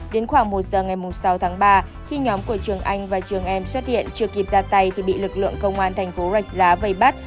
đến khoảng một giờ ngày sáu tháng ba khi nhóm của trường anh và trường em xuất hiện chưa kịp ra tay thì bị lực lượng công an thành phố rạch giá vây bắt